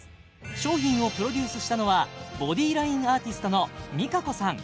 商品をプロデュースしたのはボディラインアーティストのＭｉｃａｃｏさん